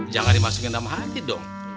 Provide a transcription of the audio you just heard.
jangan dimasukin dalam hati dong